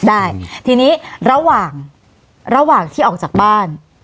ได้ทีนี้ระหว่างที่ออกจากบ้าน